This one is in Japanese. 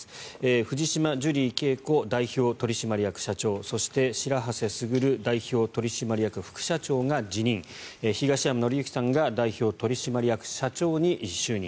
藤島ジュリー景子代表取締役社長そして白波瀬傑代表取締役副社長が辞任東山紀之さんが代表取締役社長に就任。